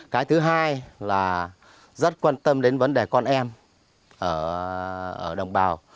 cái thứ hai là rất quan tâm đến vấn đề con em ở đồng bào